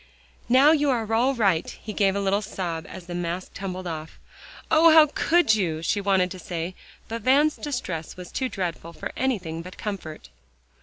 "Now you are all right;" he gave a little sob as the mask tumbled off. "Oh! how could you?" she wanted to say, but Van's distress was too dreadful for anything but comfort.